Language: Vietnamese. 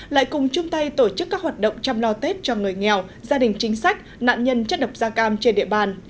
lại cùng chung tay tổ chức các hoạt động chăm lo tết cho người nghèo gia đình chính sách nạn nhân chất độc da cam trên địa bàn